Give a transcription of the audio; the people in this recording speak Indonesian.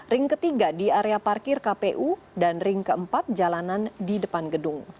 ring ketiga di area parkir kpu dan ring keempat jalanan di depan gedung